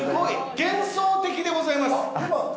幻想的でございます。